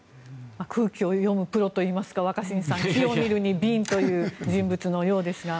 空気を読むプロといいますか若新さん、機を見るに敏という人物のようですが。